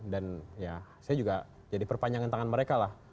dan ya saya juga jadi perpanjangan tangan mereka lah